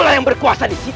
akulah yang berkuasa disini